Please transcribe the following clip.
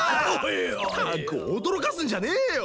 ったく驚かすんじゃねえよ！